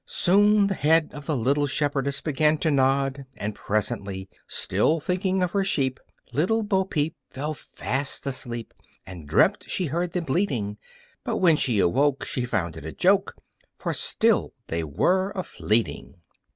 Soon the head of the little shepherdess began to nod, and presently, still thinking of her sheep, Little Bo Peep fell fast asleep, And dreamt she heard them bleating; But when she awoke she found it a joke, For still they were a fleeting.